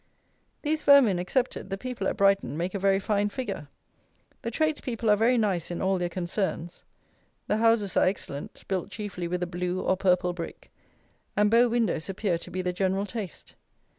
These vermin excepted, the people at Brighton make a very fine figure. The trades people are very nice in all their concerns. The houses are excellent, built chiefly with a blue or purple brick; and bow windows appear to be the general taste.